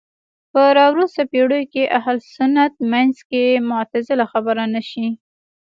په راوروسته پېړيو کې اهل سنت منځ کې معتزله خبره نه شي